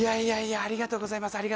ありがとうございます。